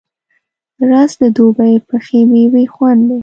رس د دوبی پخې میوې خوند دی